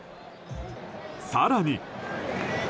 更に。